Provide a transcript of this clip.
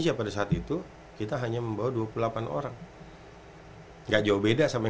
cita cita yang berubah